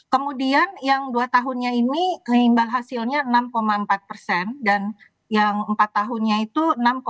kemudian yang dua tahunnya ini imbal hasilnya enam empat persen dan yang empat tahunnya itu enam tujuh